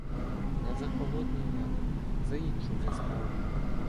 Не за Холодний Яр — за іншу вже справу.